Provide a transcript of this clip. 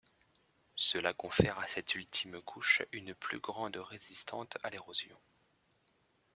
Cela confère à cette ultime couche une plus grande résistante à l’érosion.